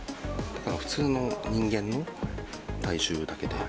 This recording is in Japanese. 普通の人間の体重だけで。